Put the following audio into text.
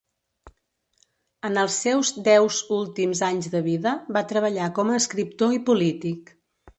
En els seus deus últims anys de vida, va treballar com a escriptor i polític.